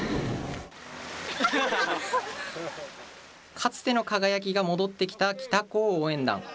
かつての輝きが戻ってきた北高応援団。